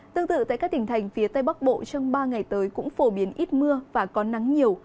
tương tự tại các tỉnh thành phía tây bắc bộ trong ba ngày tới cũng phổ biến ít mưa và có nắng nhiều